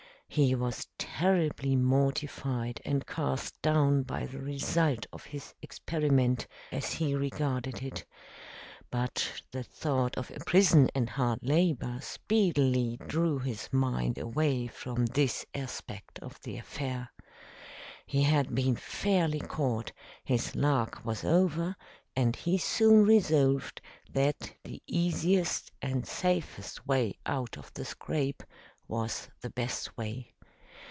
He was terribly mortified and cast down by the result of his experiment, as he regarded it. But the thought of a prison and hard labor speedily drew his mind away from this aspect of the affair. He had been fairly caught, his lark was over, and he soon resolved that the easiest and safest way out of the scrape was the best way.